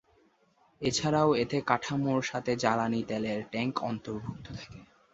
এছাড়াও এতে কাঠামোর সাথে জ্বালানি তেলের ট্যাংক অন্তর্ভুক্ত থাকে।